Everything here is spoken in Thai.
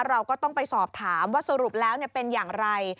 เราก็ต้องไปสอบถามว่าสรุปแล้วเป็นอย่างไร